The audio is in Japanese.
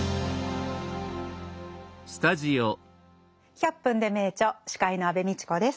「１００分ｄｅ名著」司会の安部みちこです。